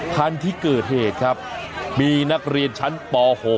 คันที่เกิดเหตุครับมีนักเรียนชั้นป๖